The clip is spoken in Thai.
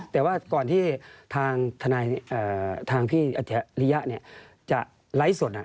แต่ว่าก่อนที่ทางพี่อัจฉริยะจะไลฟ์สด